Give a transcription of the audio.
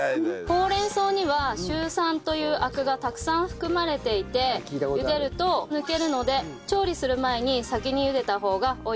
ほうれん草にはシュウ酸というアクがたくさん含まれていて茹でると抜けるので調理する前に先に茹でた方が美味しく食べられます。